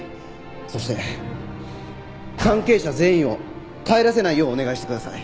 そして関係者全員を帰らせないようお願いしてください。